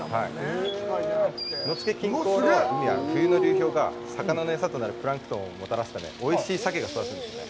野付近郊の海は冬の流氷が魚の餌となるプランクトンをもたらすため、おいしい鮭が育つんですね。